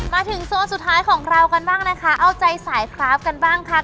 โซนสุดท้ายของเรากันบ้างนะคะเอาใจสายพราฟกันบ้างค่ะ